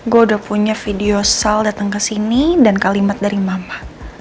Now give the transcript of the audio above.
gue udah punya video sal datang ke sini dan kalimat dari mama